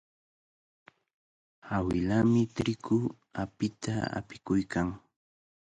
Awilaami triqu apita apikuykan.